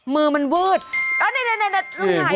มือมันวืดอ้าวนี่หายไปเลย